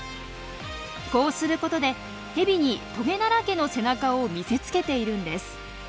こうすることでヘビにトゲだらけの背中を見せつけているんです。